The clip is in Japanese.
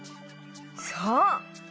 そう！